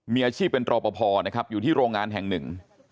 มีอาชีพเป็นรอปภนะครับอยู่ที่โรงงานแห่งหนึ่ง